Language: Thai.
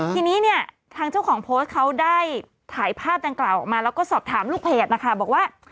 ทีนี้เนี่ยทางเจ้าของโพสต์เขาได้ถ่ายภาพดังกล่าวออกมาแล้วก็สอบถามลูกเพจนะคะบอกว่า